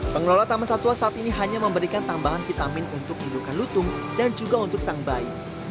pengelola taman satwa saat ini hanya memberikan tambahan vitamin untuk hidupkan lutung dan juga untuk sang bayi